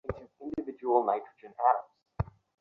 এতগুলো শুধুমাত্র পড়ালেখার খরচ?